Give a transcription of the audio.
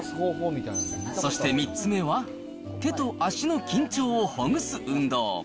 そして３つ目は、手と足の緊張をほぐす運動。